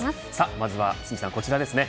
まずは堤さん、こちらですね。